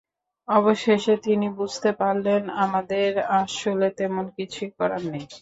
অবশেষে তিনি যখন বুঝতে পারলেন, আমাদের আসলে তেমন কিছুই করার নেই।